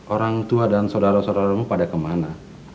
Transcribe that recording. orang tua dan saudara saudaramu pada kemana